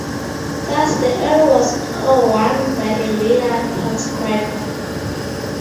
Thus the error was one by a later transcriber.